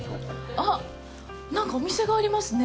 あっ、なんかお店がありますね